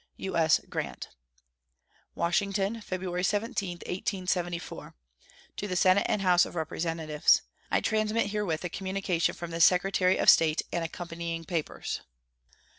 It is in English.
U.S. GRANT. WASHINGTON, February 17, 1874. To the Senate and House of Representatives: I transmit herewith a communication from the Secretary of State and accompanying papers.